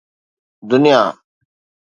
دنيا